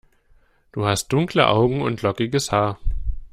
Du hast dunkle Augen und lockiges Haar.